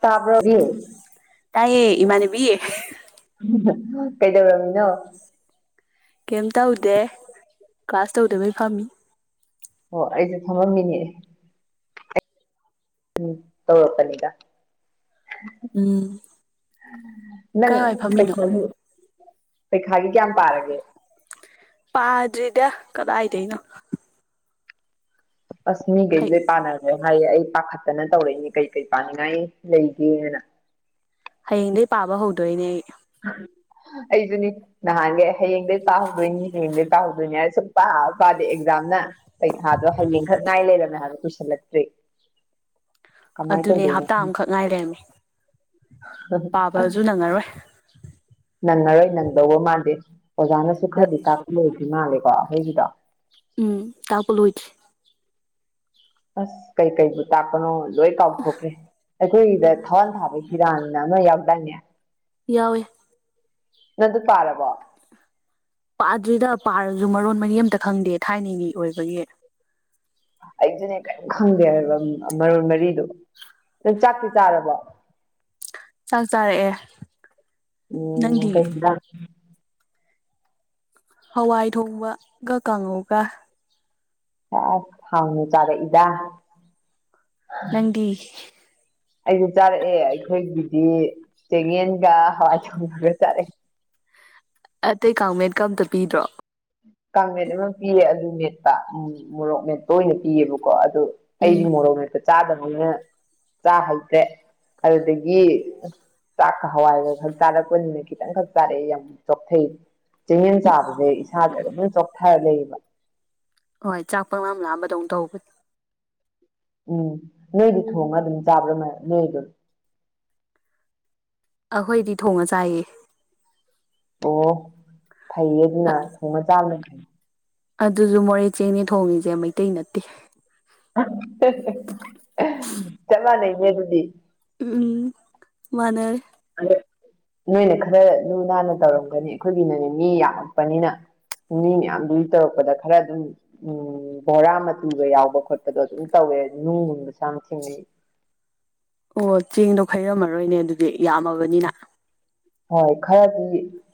ꯇꯕ ꯇꯥꯏꯌꯦ ꯏꯃꯥꯟꯅꯕꯤ ꯀꯩꯗꯧꯝꯅꯣ ꯀꯩꯝ ꯇꯧꯗꯦ ꯀ꯭ꯂꯥꯁ ꯇꯧꯗꯕꯩ ꯐꯝꯃꯤ ꯑꯣ ꯑꯩꯖꯨ ꯐꯃꯝꯃꯤꯅꯦ ꯎꯝ ꯇꯧꯔꯛꯄꯅꯤꯗ ꯎꯝ ꯅꯪ ꯀꯥꯏꯋꯥꯏ ꯐꯝꯃꯤꯅꯣ [unintelligible] ꯄꯩꯈꯥꯒꯤ ꯀꯌꯥꯝ ꯄꯥꯔꯒꯦ ꯄꯥꯗ꯭ꯔꯤꯗꯦ ꯀꯗꯥꯏꯗꯩꯅꯣ ꯑꯁ ꯍꯩ ꯃꯤꯒꯩꯖꯦ ꯄꯅꯒꯔꯦ ꯍꯥꯏꯌꯦ ꯑꯩ ꯄꯥꯈꯠꯇꯅ ꯇꯧꯔꯛꯏꯅꯦ ꯀꯩ ꯀꯩ ꯄꯥꯅꯤꯡꯉꯥꯏ ꯂꯩꯒꯦꯅ ꯍꯌꯦꯡꯗꯩ ꯄꯥꯕ ꯍꯧꯗꯣꯏꯅꯦ ꯑꯩ ꯑꯩꯖꯨꯅꯤ ꯅꯍꯥꯟꯒ ꯍꯌꯦꯡꯗꯒꯤꯩ ꯄꯥꯍꯧꯗꯣꯏꯅꯤ ꯍꯌꯦꯡꯗꯒꯤꯩ ꯇꯥꯍꯧꯗꯣꯏꯅꯤ ꯍꯥꯏ ꯁꯨꯝ ꯄꯥ ꯄꯥꯗꯦ ꯑꯦꯛꯖꯥꯝꯅ ꯄꯩꯈꯥꯗꯣ ꯍꯌꯦꯡ ꯈ ꯉꯥꯏ ꯂꯩꯔꯝꯃꯦ ꯍꯥꯏꯗ ꯀꯨꯁꯜꯂꯛꯇ꯭ꯔꯤ ꯀꯃꯥꯏꯇ ꯑꯗꯨꯅꯦ ꯇꯣꯅ ꯍꯞꯇꯥ ꯑꯃꯈꯛ ꯉꯥꯏ ꯂꯩꯔꯝꯃꯦ ꯨꯡꯔꯅꯦ ꯅꯪꯉꯔꯣꯏ ꯅꯪꯗꯧꯕ ꯃꯥꯜꯗꯦ ꯑꯣꯖꯥꯅꯁꯨ ꯈꯔꯗꯤ ꯀꯥꯛꯞꯂꯣꯏꯗꯦ ꯃꯥꯜꯂꯦꯀꯣ ꯑꯩꯈꯣꯏꯒꯤꯗꯣ ꯎꯝ ꯇꯄꯣ ꯂꯣꯏꯦ ꯑꯁ ꯀꯩ ꯀꯩꯕꯨ ꯇꯄꯅ ꯂꯣꯏ ꯀꯥꯎꯊꯣꯛꯈ꯭ꯔꯦ ꯑꯩꯈꯣꯏꯒꯤꯗ ꯊꯋꯥꯟ ꯊꯥꯕ ꯍꯤꯔꯥꯡ ꯑꯃ ꯌꯥꯎꯗꯥꯪꯅꯦ ꯌꯥꯎꯋꯦ ꯅꯗꯨ ꯄꯥꯂꯕꯣ ꯄꯥꯗ꯭ꯔꯤꯗ ꯄꯥꯔꯁꯨ ꯃꯔꯣꯟ ꯃꯔꯤ ꯑꯃꯇ ꯈꯪꯗꯦ ꯊꯥꯏꯅꯒꯤ ꯑꯣꯏꯕꯒꯤ ꯑꯩꯁꯨꯅꯦ ꯀꯔꯤꯝ ꯈꯪꯗꯦ ꯍꯥꯏꯔꯕ ꯃꯔꯣꯟ ꯃꯔꯤꯗꯣ ꯅꯪꯆꯥꯛꯇꯤ ꯆꯥꯔꯕꯣ ꯆꯥꯛ ꯆꯥꯔꯛꯑꯦ ꯎꯝ ꯅꯪꯗꯤ ꯀꯩ ꯍꯋꯥꯏ ꯊꯣꯡꯕꯒ ꯀꯥꯡꯉꯧꯒ ꯑ ꯍꯥꯎꯅ ꯆꯥꯔꯦ ꯏꯗ ꯅꯪꯒꯤ ꯑꯩꯁꯨ ꯆꯥꯔꯛꯑꯦ ꯑꯩꯈꯣꯏꯒꯤꯗꯤ ꯆꯦꯡꯌꯦꯦꯟꯒ ꯍꯋꯥꯏ ꯊꯣꯡꯒꯒ ꯆꯥꯔꯛꯑꯦ ꯑꯇꯩ ꯀꯥꯡꯃꯠꯀꯝꯇ ꯄꯤꯗ꯭ꯔꯣ ꯀꯥꯡ ꯃꯦꯠ ꯑꯃ ꯄꯤꯌꯦ ꯑꯗꯨ ꯃꯦꯠꯄ ꯃꯣꯔꯣꯛ ꯃꯦꯠꯠꯇ ꯑꯣꯏꯅ ꯄꯤꯌꯦꯕꯀꯣ ꯑꯗꯨꯣ ꯎꯝ ꯑꯩꯗꯤ ꯃꯣꯔꯣꯛ ꯍꯦꯛꯇ ꯆꯥꯗꯕꯅꯤꯅ ꯆꯥ ꯍꯩꯇ꯭ꯔꯦ ꯑꯗꯨꯗꯒꯤ ꯆꯥꯛꯀ ꯍꯋꯥꯏꯒ ꯈꯛ ꯆꯥꯔꯛꯄꯅꯤꯅ ꯈꯤꯇꯪ ꯈꯛ ꯆꯥꯔꯛꯑꯦ ꯌꯥꯝ ꯆꯣꯛꯊꯩ ꯆꯤꯡꯌꯦꯦꯟ ꯆꯥꯕꯁꯦ ꯏꯁꯥꯁꯦ ꯑꯗꯨꯝꯝ ꯆꯣꯛꯊꯔ ꯂꯩꯌꯦꯕ ꯍꯣꯏ ꯆꯥꯛ ꯄ ꯉꯥꯝ ꯂꯥꯝꯕꯗꯧꯅ ꯇꯧꯕꯅꯤ ꯎꯝ ꯅꯣꯏꯗꯤ ꯊꯣꯡꯉ ꯑꯗꯨꯝ ꯆꯥꯕ꯭ꯔꯥ ꯅꯣꯏꯗꯣ ꯑꯩꯈꯣꯏꯗꯤ ꯊꯣꯡꯉ ꯆꯥꯏꯌꯦ ꯑꯣ ꯐꯩꯌꯦ ꯑꯗꯨꯅ ꯊꯣꯡꯉ ꯆꯥꯝꯗ ꯐꯩ ꯑꯗꯨꯁꯨ ꯃꯣꯔꯦ ꯆꯦꯡꯅꯤ ꯊꯣꯡꯉꯁꯦ ꯃꯩꯇꯩ ꯅꯠꯇꯦ ꯆꯞ ꯃꯥꯟꯅꯩꯅꯦ ꯑꯗꯨꯗꯤ ꯎꯝ ꯃꯅꯦꯔ ꯑ ꯅꯣꯏꯅ ꯈꯔ ꯂꯨ ꯅꯥꯟꯅ ꯇꯧꯔꯝꯒꯅꯤ ꯑꯩꯈꯣꯏꯒꯤ ꯅꯅꯦ ꯃꯤ ꯌꯥꯝꯂꯛꯄꯅꯤꯅ ꯃꯤ ꯃꯌꯥꯝꯗꯨꯒꯤ ꯇꯧꯔꯛꯄꯗ ꯈꯔ ꯑꯗꯨꯝ ꯎꯝ ꯕꯣꯔꯥ ꯃꯆꯨꯒ ꯌꯥꯎꯕ ꯈꯣꯠꯄꯗꯣ ꯑꯗꯨꯝ ꯇꯧꯋꯦ ꯅꯨꯡꯒꯨꯝꯕꯁꯨ ꯌꯥꯝ ꯊꯦꯡꯅꯩ ꯑꯣ ꯆꯦꯡꯗꯣ ꯈꯩꯔꯝꯃꯔꯣꯏꯅꯦ ꯑꯗꯨꯗꯤ ꯌꯥꯝꯃꯕꯅꯤꯅ ꯍꯣꯏ ꯈꯔꯗꯤ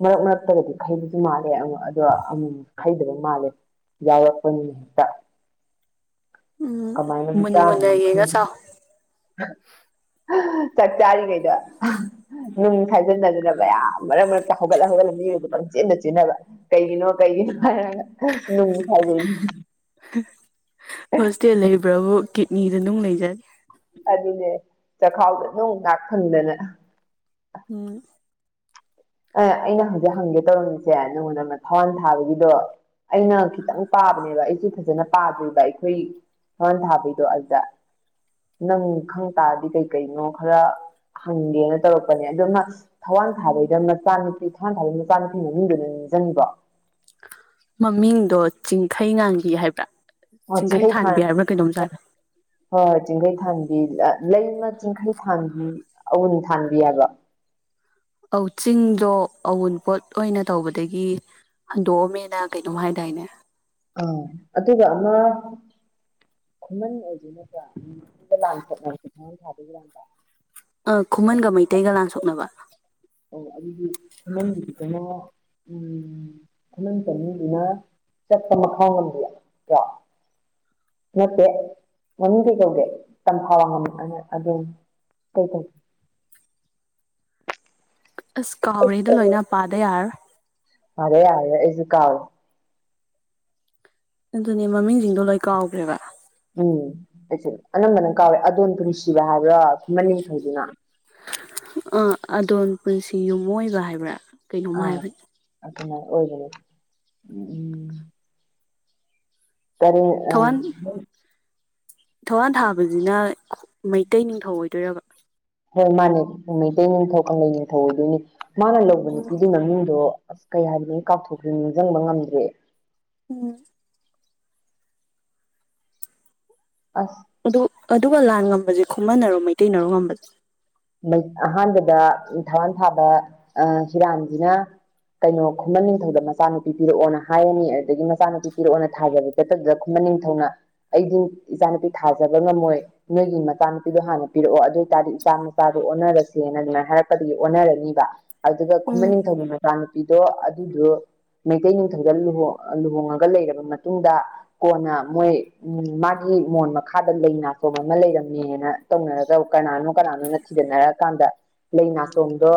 ꯃꯔꯛ ꯃꯔꯛꯇꯒꯗꯤ ꯈꯩꯕꯁꯨ ꯃꯥꯜꯂꯦ ꯑꯗꯣ ꯑꯃꯨꯃ ꯍꯩꯗꯕ ꯃꯥꯜꯂꯦ ꯌꯥꯎꯔꯛꯄꯅꯤꯅ ꯍꯦꯛꯇ ꯎꯝ ꯀꯃꯥꯏꯅꯕꯨ ꯃꯟ ꯃꯨꯟꯅ ꯆꯥꯗꯣꯏꯅꯣ ꯌꯦꯦꯒ ꯈꯪꯗꯦ ꯆ ꯆꯥꯛ ꯆꯥꯔꯤ ꯀꯩꯗ ꯅꯨꯡ ꯈꯥꯏꯖꯤꯟꯅꯗꯅꯕ ꯌꯥꯝ ꯃꯔꯛ ꯃꯔꯛꯇ ꯍꯧꯒꯠꯂ ꯍꯧꯒꯠꯂ ꯃꯤꯔꯣ ꯄꯪꯆꯦꯟꯅ ꯆꯨꯅꯕ ꯀꯩꯒꯤꯅꯣ ꯀꯩꯒꯤꯅꯣ ꯅꯨꯡꯒꯤ ꯈꯕꯤ ꯍꯣꯁꯇꯦꯜ ꯂꯩꯕ꯭ꯔꯕꯨ ꯀꯤꯠꯅꯤꯗ ꯅꯨꯡ ꯂꯩꯖꯔꯦ ꯑꯗꯨꯅꯦ ꯆꯈꯥꯎꯗ ꯅꯨꯡ ꯉꯥꯛ ꯐꯪꯗꯅ ꯎꯝ ꯑ ꯑꯩꯅ ꯍꯪꯖꯤꯛ ꯍꯪꯒꯦ ꯇꯧꯔꯝꯃꯤꯁꯦ ꯅꯪꯉꯣꯟꯗ ꯊꯋꯥꯟ ꯊꯥꯕꯒꯤꯗꯣ ꯑꯩꯅ ꯈꯤꯇꯪ ꯄꯥꯕꯅꯦꯕ ꯑꯩꯁꯨ ꯐꯖꯅ ꯄꯥꯗ꯭ꯔꯤꯕ ꯑꯩꯈꯣꯏ ꯐꯟ ꯊꯥꯕꯩꯗꯣ ꯑꯗꯨꯗ ꯅꯪ ꯈꯪ ꯇꯥꯔꯗꯤ ꯀꯩꯀꯩꯅꯣ ꯈꯔ ꯍꯪꯒꯦꯅ ꯇꯧꯔꯛꯄꯅꯦ ꯑꯗꯨꯅ ꯊꯋꯥꯟ ꯊꯥꯕꯩꯗ ꯃꯆꯥ ꯅꯨꯨꯄꯤ ꯊꯥ ꯊꯥꯒꯤ ꯃꯆꯥꯅꯨꯄꯤ ꯃꯃꯤꯡꯗꯨꯅ ꯅꯤꯖꯅꯤꯕꯣ ꯃꯃꯤꯡꯗꯣ ꯆꯤꯡꯈꯩ ꯉꯥꯡꯒꯤ ꯍꯥꯏꯕ꯭ꯔꯥ ꯑꯣ ꯆꯤꯡꯈꯩ ꯊꯥꯟꯕꯤ ꯊꯥꯟ ꯍꯥꯏꯕ꯭ꯔꯥ ꯀꯩꯗꯧꯝ ꯆꯥꯔꯦ ꯍꯣꯏ ꯍꯣꯏ ꯆꯤꯡꯈꯩ ꯊꯥꯟꯕꯤ ꯂꯩꯃ ꯆꯤꯡꯈꯩ ꯊꯥꯟꯕꯤ ꯑꯍ ꯊꯥꯟꯕꯤ ꯍꯥꯏꯕ ꯆꯤꯡꯗꯣ ꯑꯋꯟꯄꯣꯠ ꯑꯣꯏꯅ ꯇꯧꯕꯗꯒꯤ ꯍꯟꯗꯣꯛꯑꯝꯃꯦꯅ ꯀꯩꯅꯣꯝ ꯍꯥꯏꯗꯥꯏꯅꯦ ꯑꯥ ꯑꯗꯨꯒ ꯑꯃ ꯈꯨꯃꯟ ꯑꯣꯏꯗꯣꯏ ꯅꯠꯇ꯭ꯔꯥ ꯂꯥꯟꯊꯅꯕꯁꯤ ꯊꯥꯗꯣꯏꯒꯤꯔꯥꯟ ꯑ ꯈꯨꯃꯟꯒ ꯃꯩꯇꯩꯒ ꯂꯥꯟ ꯁꯣꯛꯅꯕ ꯑꯣ ꯑꯗꯨꯗꯤ ꯅꯪꯒꯤꯗꯤ ꯀꯩꯅꯣ ꯈꯨꯃꯟ ꯆꯅꯤꯡꯗꯨꯅ ꯆꯠꯄ ꯃꯈꯥ ꯉꯝꯕꯤ ꯅꯠꯇꯦ ꯃꯃꯤꯡ ꯀꯩ ꯀꯧꯗꯦ ꯇꯝꯐꯥ ꯋꯥ ꯉꯝꯃꯅ ꯑꯗꯨꯝ ꯀꯩꯧꯒꯦ ꯑꯁ ꯀꯥꯎꯔꯦꯗ ꯂꯣꯏꯅ ꯄꯥꯗ ꯌꯥꯔꯣ ꯑꯔꯦ ꯌꯥꯔꯦ ꯑꯦꯁꯨ ꯀꯥꯔꯦ ꯑꯗꯨꯅꯦ ꯃꯃꯤꯡꯁꯤꯡꯗꯣ ꯂꯣꯏ ꯀꯥꯎꯈ꯭ꯔꯦꯕ ꯎꯝ ꯀ ꯑꯅꯝꯕꯅ ꯀꯥꯎꯋꯦ ꯑꯗꯣꯟꯝ ꯅꯨꯡꯁꯤꯕ ꯍꯥꯏꯕ꯭ꯔꯥ ꯑꯩꯈꯣꯏ ꯃꯅꯤꯡꯊꯧꯗꯨꯅ ꯑꯥ ꯑꯗꯣꯝ ꯄꯨꯟꯁꯤ ꯌꯨꯝꯣꯏꯕ ꯍꯥꯏꯕ꯭ꯔꯥ ꯀꯩꯅꯣꯝ ꯍꯥꯏꯕꯅꯤ ꯑꯥ ꯑꯣꯏ ꯎꯝ ꯇꯔꯦ ꯑ ꯊꯋꯥꯥꯟ ꯊꯥꯕꯁꯤꯅ ꯃꯩꯇꯩ ꯅꯤꯡꯊꯧ ꯑꯣꯏꯗꯣꯏꯔꯕ ꯍꯣꯏ ꯃꯥꯅꯦ ꯃꯩꯇꯩ ꯅꯤꯡꯊꯧ ꯀꯪꯂꯩ ꯅꯤꯡꯊꯧ ꯑꯣꯏꯗꯣꯏꯅꯤ ꯃꯥꯅ ꯂꯧꯕ ꯑꯣ ꯅꯨꯄꯤꯗꯨ ꯃꯃꯤꯡꯗꯣ ꯑ ꯀꯩ ꯍꯥꯏꯕꯅꯤꯅ ꯀꯥꯎꯊꯣꯛꯈꯦ ꯅꯤꯡꯁꯤꯡꯕ ꯉꯝꯗ꯭ꯔꯦ ꯎꯝ ꯑꯁ ꯑꯗꯨ ꯑꯗꯨꯒ ꯂꯥꯟ ꯉꯝꯕꯁꯦ ꯈꯨꯃꯟꯅꯔꯣ ꯃꯩꯇꯩꯅꯔꯣ ꯉꯝꯕꯁꯦ ꯑꯍꯥꯟꯕꯗ ꯊꯋꯥꯟ ꯊꯥꯕ ꯑ ꯍꯤꯔꯥꯟꯁꯤꯅ ꯀꯩꯅꯣ ꯈꯨꯃꯟ ꯅꯤꯡꯊꯧꯗ ꯃꯆꯥꯅꯨꯄꯤ ꯄꯤꯔꯛꯑꯣꯅ ꯍꯥꯏꯔꯅꯤ ꯑꯗꯨꯗꯒꯤ ꯃꯆꯥꯅꯨꯄꯤ ꯄꯤꯔꯛꯑꯣꯅ ꯊꯥꯖꯕꯅꯤ ꯈꯨꯃꯟ ꯅꯤꯡꯊꯧꯅ ꯑꯩꯗꯤ ꯏꯆꯥ ꯅꯨꯨꯄꯤ ꯊꯥꯖꯕ ꯉꯝꯃꯣꯏ ꯅꯣꯏꯒꯤ ꯃꯆꯥꯅꯨꯄꯤꯗꯣ ꯍꯥꯟꯅ ꯄꯤꯔꯛꯑꯣ ꯑꯗꯨ ꯑꯣꯏ ꯇꯔꯗꯤ ꯏꯆꯥ ꯃꯆꯥꯗꯨ ꯑꯣꯟꯅꯔꯁꯦꯅ ꯑꯗꯨꯃꯥꯏꯅ ꯍꯥꯏꯔꯛꯄꯗꯒꯤ ꯑꯣꯟꯅꯔꯅꯤꯕ ꯑꯗꯨꯒ ꯈꯨꯃꯟ ꯎꯝ ꯅꯤꯡꯊꯧꯒꯤ ꯃꯆꯥꯅ ꯄꯤꯗꯣ ꯑꯗꯨꯗꯨ ꯃꯩꯇꯩ ꯅꯤꯡꯅꯨꯡꯊꯧꯗ ꯂꯨꯍ ꯂꯨꯍꯣꯡꯉꯒ ꯂꯩꯔꯕ ꯃꯇꯨꯡꯗ ꯀꯣꯅꯥ ꯃꯣꯏ ꯎꯝ ꯃꯥꯒꯤ ꯃꯣꯟ ꯃꯈꯥꯗ ꯂꯩ ꯅꯥꯆꯣꯝ ꯑꯃ ꯂꯩꯔꯝꯃꯦꯅ ꯇꯧꯅꯔꯒ ꯀꯅꯥꯅꯣ ꯀꯅꯥꯅꯣꯅ ꯊꯤꯖꯟꯅꯔꯛꯀꯥꯟꯗ ꯂꯩ ꯅꯥꯆꯣꯝꯗꯣ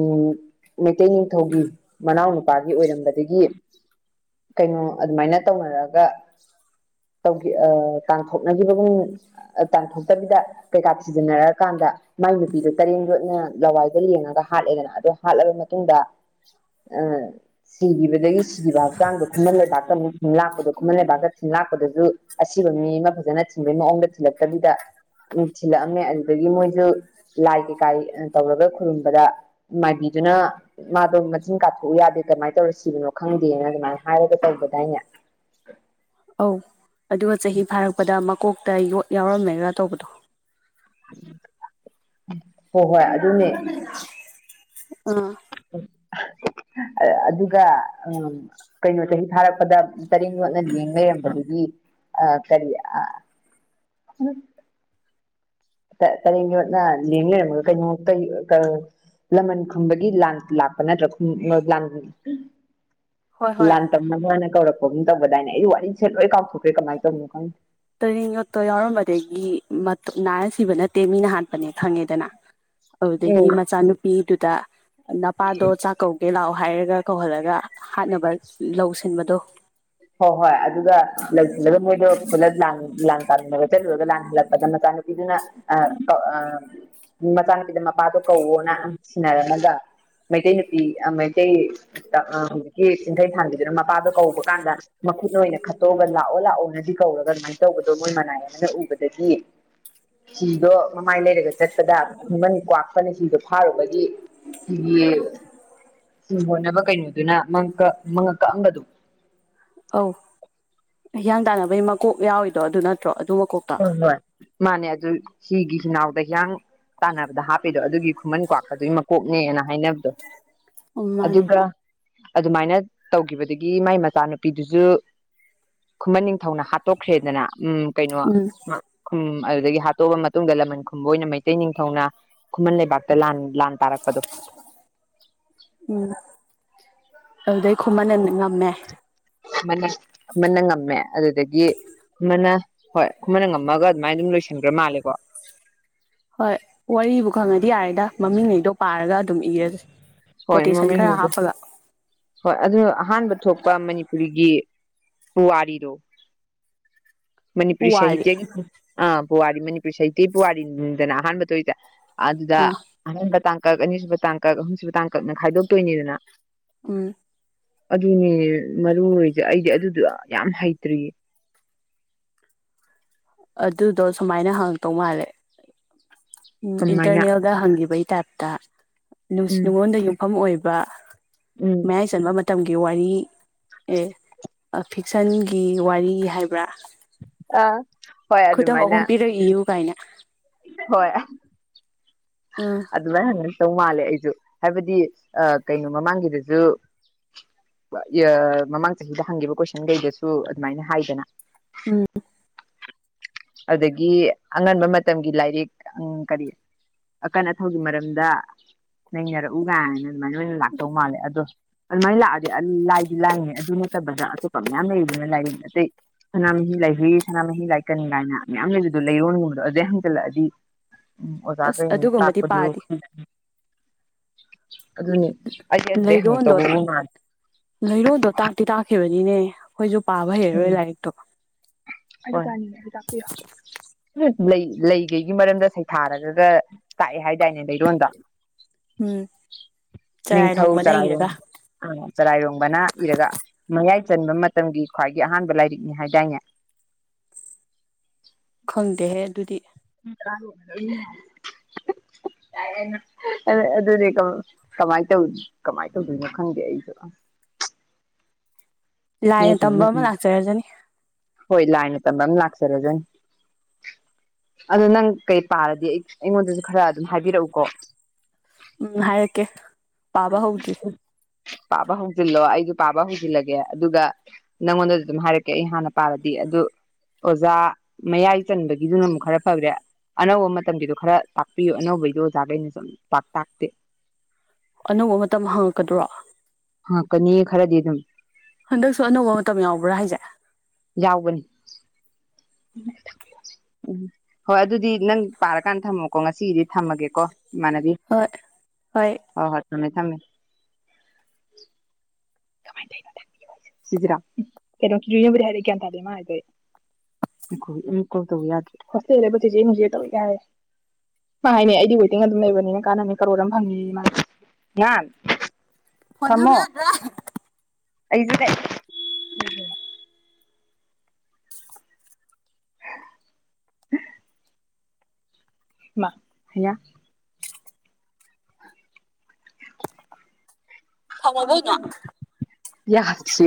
ꯎꯝ ꯃꯩꯇꯩ ꯅꯤꯡꯊꯧꯒꯤ ꯃꯅꯥꯎ ꯅꯨꯨꯄꯥꯒꯤ ꯑꯣꯏꯔꯝꯕꯗꯒꯤ ꯀꯩꯅꯣ ꯑꯗꯨꯃꯥꯏꯅ ꯇꯧꯅꯔꯒ ꯇꯧꯒꯤ ꯑ ꯇꯥꯟꯊꯣꯛꯅꯒꯤꯕꯒꯨꯝ ꯑ ꯇꯥꯟꯊꯣꯛꯇꯕꯤꯗ ꯀꯩꯀꯥ ꯊꯤꯖꯤꯟꯅꯔꯀꯥꯟꯗ ꯃꯥꯏ ꯅꯨꯄꯤꯗꯣ ꯇꯔꯦꯡ ꯌꯣꯠꯅ ꯂꯋꯥꯏꯗ ꯂꯦꯡꯉꯒ ꯍꯥꯠꯂꯦꯗꯅ ꯑꯗꯣ ꯍꯥꯠꯂꯕ ꯃꯇꯨꯡꯗ ꯑ ꯁꯤꯒꯤꯕꯗꯒꯤ ꯁꯤꯒꯤꯕ ꯍꯛꯆꯥꯡꯗꯣ ꯈꯨꯃꯟ ꯂꯩꯕꯥꯛꯇ ꯑꯃꯨꯛ ꯊꯤꯟ ꯂꯥꯛꯄꯗꯣ ꯈꯨꯃꯟ ꯂꯩꯕꯥꯛꯇ ꯊꯤꯟ ꯂꯥꯛꯄꯗꯁꯨ ꯑꯁꯤꯕ ꯃꯤ ꯑꯃ ꯐꯖꯅ ꯊꯤꯟꯕꯩ ꯃꯑꯣꯡꯗ ꯊꯤꯜꯂꯛꯇꯕꯤꯗ ꯎꯝ ꯊꯤꯜꯂꯛꯑꯝꯃꯦ ꯑꯗꯨꯗꯒꯤ ꯃꯣꯏꯖꯨ ꯂꯥꯏ ꯀꯩꯀꯥꯏ ꯇꯧꯔꯒ ꯈꯨꯔꯨꯝꯕꯗ ꯃꯥꯏꯕꯤꯗꯨꯅ ꯃꯥꯗꯣ ꯃꯆꯤꯟ ꯀꯥꯊꯣꯛꯎ ꯌꯥꯗꯦ ꯀꯃꯥꯏꯅ ꯇꯧꯔ ꯁꯤꯕꯅꯣ ꯈꯪꯗꯦꯅ ꯑꯗꯨꯃꯥꯏꯅ ꯍꯥꯏꯔꯒ ꯇꯧꯕꯗꯥꯏꯅꯦ ꯑꯧ ꯑꯗꯨꯒ ꯆꯍꯤ ꯐꯥꯔꯛꯄꯗ ꯃꯀꯣꯛꯇ ꯌꯣꯠ ꯌꯥꯎꯔꯝꯃꯦꯔ꯭ꯔꯥ ꯇꯧꯕꯗꯣ ꯍꯣꯏ ꯍꯣꯏ ꯑꯗꯨꯅꯦ ꯑ ꯑꯗꯨꯒ ꯎꯝ ꯀꯩꯅꯣ ꯆꯍꯤ ꯊꯥꯔꯛꯄꯗ ꯇꯔꯦꯡꯠ ꯌꯣꯠꯅ ꯂꯦꯡ ꯂꯩꯔꯝꯕꯗꯒꯤ ꯑ ꯀꯔꯤ ꯎꯝ [unintelligible] ꯂꯃꯟ ꯈꯨꯝꯕꯒꯤ ꯂꯥꯟ ꯂꯥꯛꯄ ꯅꯠꯇ꯭ꯔꯥ ꯂꯥꯟ ꯍꯣꯏ ꯍꯣꯏ ꯂꯥꯟꯇꯝꯅꯕ ꯀꯧꯔꯛꯄꯒꯨꯝ ꯇꯧꯕꯗꯥꯏꯅꯦ ꯑꯩ ꯋꯥꯔꯤꯁꯦ ꯂꯣꯏ ꯀꯥꯎꯊꯣꯛꯈ꯭ꯔꯦ ꯀꯃꯥꯏꯅ ꯇꯧꯕꯅꯣ ꯈꯪꯗꯦ ꯇꯔꯦꯡ ꯌꯣꯠꯇꯣ ꯌꯥꯎꯔꯝꯕꯗꯒꯤ ꯃꯠ ꯅꯥꯔ ꯁꯤꯕ ꯅꯠꯇꯦ ꯃꯤꯅ ꯍꯥꯠꯄꯅꯦ ꯈꯪꯉꯦꯗꯅ [unintelligible] ꯑꯗꯨꯗꯒꯤ ꯃꯆꯥꯅꯨꯄꯤꯗꯨꯗꯥ ꯅꯄꯥꯗꯣ ꯆꯥꯛꯀꯧ ꯒꯦ ꯂꯥꯛꯑꯣ ꯍꯥꯏꯔꯒ ꯀꯧꯍꯜꯂꯒ ꯍꯥꯠꯅꯕ ꯂꯧ ꯁꯤꯟꯕꯗꯣ ꯍꯣꯏ ꯍꯣꯏ ꯑꯗꯨꯒ ꯂꯧꯁꯤꯜꯂꯒ ꯃꯣꯏꯗꯣ ꯄꯨꯂꯞ ꯂꯥꯡ ꯂꯥꯡ ꯂꯥꯟꯗꯦꯡꯅꯕ ꯆꯠꯂꯨꯔꯒ ꯂꯥꯟ ꯍꯜꯂꯛꯄꯗ ꯃꯆꯥꯅꯨꯄꯤꯗꯨꯅ ꯃꯆꯥꯅꯨꯄꯤꯗ ꯃꯄꯥꯗꯣ ꯀꯧꯑꯣꯅ ꯁꯤꯟꯅꯔꯝꯃꯒ ꯃꯩꯇꯩ ꯅꯨꯄꯤ ꯑ ꯃꯩꯇꯩ ꯍꯧꯖꯤꯛꯀꯤ ꯆꯤꯡꯈꯩꯊꯥꯟꯕꯤꯗꯨꯅ ꯃꯄꯥꯗꯣ ꯀꯧꯕꯀꯥꯟꯗ ꯃꯈꯨꯠꯅ ꯑꯣꯏꯅ ꯈꯠꯇꯣꯛꯑꯒ ꯂꯥꯛꯑꯣ ꯂꯥꯛꯑꯣꯅꯗꯤ ꯀꯧꯔꯒ ꯑꯗꯨꯃꯥꯏ ꯇꯧꯕꯗꯣ ꯃꯣꯏ ꯃꯅꯥꯏ ꯑꯃꯅ ꯎꯕꯗꯒꯤ ꯍꯤꯗꯣ ꯃꯃꯥꯏ ꯂꯩꯔꯒ ꯆꯠꯄꯗ ꯈꯨꯃꯟ ꯀ꯭ꯋꯥꯛꯄꯅ ꯍꯤꯗꯣ ꯐꯥꯔꯨꯕꯒꯤ ꯍꯤꯒꯤ ꯍꯤ ꯍꯣꯟꯅꯕ ꯀꯩꯅꯣꯗꯨꯅ ꯃꯉꯛ ꯀ ꯃꯉꯛ ꯀꯛꯑꯝꯕꯗꯣ ꯑꯧ ꯍꯤꯌꯥꯡ ꯇꯥꯟꯅꯕꯩ ꯃꯀꯣꯛ ꯌꯥꯎꯋꯤꯗꯣ ꯑꯗꯨ ꯅꯠꯇ꯭ꯔꯣ ꯑꯗꯨ ꯃꯀꯣꯛ ꯍꯣꯏ ꯍꯣꯏ ꯃꯥꯅꯦ ꯑꯗꯨ ꯁꯤꯒꯤ ꯍꯤꯅꯥꯎꯗ ꯍꯤꯌꯥꯡ ꯇꯥꯟꯅꯕꯗ ꯍꯥꯞꯄꯤꯗꯣ ꯑꯗꯨꯒꯤ ꯈꯨꯃꯟ ꯀ꯭ꯋꯥꯛꯀꯗꯨꯒꯤ ꯃꯀꯣꯛꯅꯦꯅ ꯍꯥꯏꯅꯕꯗꯣ ꯑꯣ ꯃꯥꯅꯦ ꯑꯗꯨꯒ ꯑꯗꯨꯃꯥꯏꯅ ꯇꯧꯒꯤꯕꯗꯒꯤ ꯃꯥꯏ ꯃꯆꯥꯅꯨꯄꯤꯗꯨꯁꯨ ꯈꯨꯃꯟ ꯅꯤꯡꯊꯧꯅ ꯍꯥꯠꯇꯣꯛꯈ꯭ꯔꯦꯗꯅ ꯎꯝ ꯀꯩꯅꯣ ꯎꯝ ꯈꯨꯝ ꯑꯗꯨꯗꯒꯤ ꯍꯥꯠꯇꯣꯛꯑ ꯃꯇꯨꯡꯗ ꯂꯃꯟ ꯈꯨꯝꯕ ꯑꯣꯏꯅ ꯃꯩꯇꯩ ꯅꯤꯡꯊꯧꯅ ꯈꯨꯃꯟ ꯂꯩꯕꯥꯛꯇ ꯂꯥꯟ ꯂꯥꯟ ꯇꯥꯔꯛꯄꯗꯣ ꯎꯝ ꯑꯗꯨꯗꯩ ꯈꯨꯃꯟꯅ ꯉꯝꯃꯦ ꯃꯟꯅ ꯑꯃꯅ ꯉꯝꯃꯦ ꯑꯗꯨꯗꯒꯤ ꯈꯨꯃꯟꯅ ꯍꯣꯏ ꯈꯨꯃꯟꯅ ꯉꯝꯃꯒ ꯑꯗꯨꯃꯥꯏ ꯑꯗꯨꯝ ꯂꯣꯏꯁꯤꯟꯒ꯭ꯔ ꯃꯥꯜꯂꯦꯀꯣ ꯍꯣꯏ ꯋꯥꯔꯤꯕꯨ ꯈꯪꯉꯗꯤ ꯌꯥꯔꯦꯗ ꯃꯃꯤꯡꯉꯩꯗꯣ ꯄꯥꯔꯒ ꯑꯗꯨꯝ ꯏꯔꯖꯤ ꯍꯣꯏ ꯃꯃꯤꯡꯒꯗꯣ ꯍꯣꯏ ꯑꯗꯨ ꯑꯍꯥꯟꯕ ꯊꯣꯛꯄ ꯃꯅꯤꯄꯨꯔꯤꯒꯤ ꯄꯨꯋꯥꯔꯤꯗꯣ [unintelligible] [inaudible] ꯃꯅꯤꯄꯨꯔꯤ ꯎ ꯋꯥꯗꯤ ꯁꯥꯍꯤꯇ꯭ꯌꯒꯤ ꯑ ꯄꯨꯋꯥꯔꯤ ꯃꯅꯤꯄꯨꯔꯤ ꯁꯥꯍꯤꯇ꯭ꯌꯒꯤ ꯄꯨꯋꯥꯔꯤꯅꯤꯗꯅ ꯑꯍꯥꯟꯕ ꯇꯧꯏꯖꯦ ꯑꯗꯨꯗ ꯑꯥ ꯑꯍꯥꯟꯕ ꯇꯥꯡꯀꯛ ꯑꯅꯤꯁꯨꯕ ꯇꯥꯡꯀꯛ ꯑꯍꯨꯝꯁꯨꯕ ꯇꯥꯡꯀꯛꯅ ꯈꯥꯏꯗꯣꯛꯇꯣꯏꯅꯤꯗꯅ ꯎꯝ ꯑꯗꯨꯅꯦ ꯃꯔꯨ ꯑꯣꯏꯁꯦ ꯑꯩꯁꯦ ꯑꯗꯨꯗ ꯌꯥꯝ ꯍꯩꯇ꯭ꯔꯤꯌꯦ ꯑꯗꯨꯗꯣ ꯁꯨꯃꯥꯏꯅ ꯍꯪꯉꯛꯇꯧ ꯃꯥꯜꯂꯦ ꯀꯃꯥꯏꯅ ꯏꯟꯇꯔꯅꯦꯜ ꯗ ꯍꯪꯈꯤꯕꯒꯤ ꯇꯥꯏꯞꯇ ꯅꯨꯡꯁꯤ ꯎꯝ ꯅꯨꯉꯣꯜꯗ ꯌꯨꯝꯐꯝ ꯑꯣꯏꯕ ꯎꯝ ꯃꯌꯥꯏ ꯆꯟꯕ ꯃꯇꯝꯒꯤ ꯋꯥꯔꯤ ꯑꯦ ꯐꯤꯛꯁꯟꯒꯤ ꯋꯥꯔꯤ ꯍꯥꯏꯕ꯭ꯔꯥ ꯑꯥ ꯍꯣꯏ ꯈꯨꯗꯝ ꯑꯗꯨꯃꯥꯏꯅ ꯑꯍꯨꯝ ꯄꯤꯔ ꯏꯌꯨ ꯀꯥꯏꯅ ꯍꯣꯏ [unintelligible] ꯎꯝ ꯑꯗꯨꯃꯥꯏꯅ ꯍꯪꯉꯛꯇꯧ ꯃꯥꯜꯂꯦ ꯑꯩꯁꯨ ꯍꯥꯏꯕꯗꯤ ꯀꯩꯅꯣ ꯃꯃꯥꯡꯒꯤꯗꯁꯨ ꯌꯥ ꯃꯃꯥꯡ ꯆꯍꯤꯗ ꯍꯪꯈꯤꯕ ꯀꯣꯏꯁꯟꯈꯩꯗꯁꯨ ꯑꯗꯨꯃꯥꯏꯅ ꯍꯥꯏꯗꯅ ꯎꯝ ꯑꯗꯒꯤ ꯑꯉꯟꯕ ꯃꯇꯝꯒꯤ ꯂꯥꯏꯔꯤꯛ ꯑꯪ ꯀꯔꯤ ꯑꯀꯟ ꯑꯊꯧꯒꯤ ꯃꯔꯝꯗ ꯅꯪ ꯌꯥꯔꯛꯎ ꯀꯥꯏꯅ ꯑꯗꯨꯃꯥꯏꯅ ꯑꯣꯏꯅ ꯂꯥꯛꯇꯧ ꯃꯥꯜꯂꯦ ꯑꯗꯣ ꯑꯗꯨꯃꯥꯏꯅ ꯂꯥꯛꯑꯗꯤ ꯑꯟ ꯂꯥꯏꯗꯤ ꯂꯥꯏꯅꯤ ꯑꯗꯨ ꯅꯠꯇꯕꯗ ꯑꯇꯣꯞꯄ ꯃꯌꯥꯝ ꯂꯩꯔꯤꯗꯅ ꯂꯥꯏꯔꯤꯛ ꯑꯇꯩ ꯁꯅꯥꯃꯍꯤ ꯂꯥꯏꯍꯣꯔꯤ ꯁꯅꯥꯃꯍꯤ ꯂꯥꯏꯀꯟ ꯀꯥꯏꯅ ꯃꯌꯥꯝ ꯂꯩꯕꯗꯣ ꯂꯩꯔꯣꯟꯒꯨꯝꯕꯗꯣ ꯑꯗꯨꯗꯩ ꯍꯡꯖꯜꯂꯛꯑꯗꯤ ꯎꯝ ꯑꯁ ꯑꯣꯖꯒꯩꯅ ꯑꯗꯨꯒꯨꯝꯕꯗꯤ ꯇꯥꯛꯄꯖꯨ ꯄꯥꯗꯦ ꯑꯗꯨꯅꯤ ꯑꯩꯁꯦ ꯑꯗꯨꯗꯩ ꯍꯪꯉꯛꯇꯧꯕꯕꯨ ꯃꯥꯜꯂꯤ ꯂꯩꯔꯣꯟꯗꯣ ꯇꯥꯛꯇꯤ ꯇꯥꯛꯈꯤꯕꯅꯤꯅꯦ ꯑꯩꯈꯣꯏꯁꯨ ꯄꯥꯕ ꯍꯩꯔꯔꯣꯏ ꯂꯥꯏꯔꯤꯛꯇꯣ ꯍꯣꯏ ꯑꯩꯖꯨ ꯄꯥꯅꯤꯡꯉꯦ ꯑꯩꯖꯨ ꯇꯥꯛꯄꯤꯌꯣ ꯂꯩ ꯂꯩꯒꯩꯒꯤ ꯃꯔꯝꯗ ꯁꯩꯊꯥꯔꯒꯒ ꯇꯥꯛꯑꯦ ꯍꯥꯏꯗꯥꯏꯅꯦ ꯂꯩꯔꯣꯟꯗ ꯎꯝ ꯆꯔꯥꯏ ꯅꯤꯡꯊꯧ ꯅꯣꯡꯃꯅ ꯆꯔꯥꯌꯣꯟ ꯏꯔꯒ ꯑ ꯆꯔꯥꯏꯔꯣꯡꯕꯅ ꯏꯔꯒ ꯃꯌꯥꯏ ꯆꯟꯕ ꯃꯇꯝꯒꯤ ꯈ꯭ꯋꯥꯏꯒꯤ ꯑꯍꯥꯟꯕ ꯂꯥꯏꯔꯤꯛꯅꯤ ꯍꯥꯏꯗꯥꯏꯅꯦ ꯈꯪꯗꯦꯍꯦ ꯑꯗꯨꯗꯤ [unintelligible] ꯑꯗꯨꯅꯦ ꯀ ꯀꯃꯥꯏ ꯇꯧ ꯀꯃꯥꯏꯅ ꯇꯧꯗꯣꯏꯅꯣ ꯈꯪꯗꯦ ꯑꯩꯁꯨ ꯂꯥꯏꯅ ꯅꯠꯇ꯭ꯔꯒꯅ ꯇꯝꯕ ꯑꯃ ꯎꯝ ꯂꯥꯛꯆꯔꯖꯅꯤ ꯍꯣꯏ ꯂꯥꯏꯅ ꯇꯝꯕ ꯃ ꯂꯥꯛꯆꯔꯁꯅꯤ ꯑꯗꯨꯣ ꯅꯪ ꯀꯩ ꯄꯥꯔꯗꯤ ꯑꯩ ꯑꯩꯉꯣꯟꯗꯁꯨ ꯈꯔ ꯑꯗꯨꯝ ꯍꯥꯏꯕꯤꯔꯛꯎꯀꯣ ꯎꯝ ꯍꯥꯏꯔꯛꯀꯦ ꯄꯥꯕ ꯍꯧꯗ꯭ꯔꯤ ꯄꯥꯕ ꯍꯧꯖꯤꯜꯂꯣ ꯑꯩꯖꯨ ꯄꯥꯕ ꯍꯧꯖꯤꯜꯂꯒꯦ ꯑꯗꯨꯒ ꯅꯪꯉꯣꯟꯗꯁꯨ ꯑꯗꯨꯝ ꯍꯥꯏꯔꯛꯀꯦ ꯑꯩ ꯍꯥꯟꯅ ꯄꯥꯔꯗꯤ ꯑꯗꯨ ꯑꯣꯖꯥ ꯃꯌꯥꯏ ꯆꯟꯕꯒꯤꯗꯨꯅ ꯑꯃꯨꯛ ꯈꯔ ꯐꯒꯔꯦ ꯑꯅꯧꯕ ꯃꯇꯝꯒꯤꯗꯣ ꯈꯔ ꯇꯥꯛꯄꯤꯌꯨ ꯑꯅꯧꯕꯒꯤꯗꯣ ꯑꯣꯖꯥꯒꯩꯅꯁꯨꯝ ꯄꯥꯛ ꯇꯥꯛꯇꯦ ꯑꯅꯧꯕ ꯃꯇꯝ ꯍꯪꯉꯛꯀꯗ꯭ꯔꯣ ꯍꯪꯉꯛꯀꯅꯤꯌꯦ ꯈꯔꯗꯤ ꯑꯗꯨꯝ ꯍꯟꯗꯛꯁꯨ ꯑꯅꯧꯕ ꯃꯇꯝ ꯌꯥꯎꯕ꯭ꯔꯥ ꯍꯥꯏꯁꯦ ꯌꯥꯎꯕꯅꯤ ꯎꯝ ꯍꯣꯏ ꯑꯗꯨꯗꯤ ꯅꯪ ꯄꯥꯔꯀꯥꯟꯗ ꯊꯝꯃꯣꯀꯣ ꯉꯁꯤꯒꯤꯗꯤ ꯊꯝꯃꯒꯦ ꯀꯣ ꯏꯃꯥꯅꯕꯤ ꯍꯣꯏ ꯍꯣꯏ ꯍꯣ ꯍꯣꯏ ꯊꯝꯃꯦ ꯊꯝꯃꯦ [unintelligible] ꯁꯤꯖꯤꯔꯥꫭ ꯀꯩꯅꯣ [unintelligible] ꯍꯥꯏꯔꯛꯏ ꯒ꯭ꯌꯥꯟ ꯇꯥꯗꯦ ꯃꯥ ꯍꯥꯏꯗꫭ ꯑꯩ [unintelligible] ꯍꫭꯁꯇꯦꯜꯗꯕꯨ ꯆꯦꯆꯦ ꯅꯨꯡꯆꯦ ꯇꯧꯋꯦꯒ ꯍꯥꯏ ꯃꯥ ꯍꯥꯏꯅꯦ ꯑꯩꯗꯤ ꯋꯦꯇꯤꯡ ꯑꯗꯨꯝ ꯂꯩꯕꯅꯤꯅ ꯀꯥꯟꯅꯅꯤ ꯀꯔꯣꯔ ꯑꯃ ꯐꯪꯅꯦꯌꯦ ꯃꯥꯍꯥꯏꯔꯤꯕ [unintelligible] ꯐꯣꯟꯅꯝ ꯌꯥꯗ꯭ꯔꯦ [unintelligible] ꯑꯩꯖꯨꯅꯦ ꯃꯥ ꯑꯌꯥ [unintelligible] ꯌꯥꯁꯦ